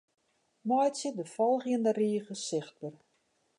Meitsje de folgjende rige sichtber.